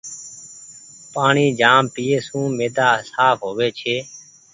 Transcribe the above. پآڻيٚ جآم پيئي سون ميدآ سآڦ هووي ڇي۔